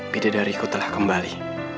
bidadariku telah kembali